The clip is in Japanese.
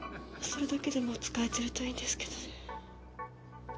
それだけでも使えてるといいんですけどね。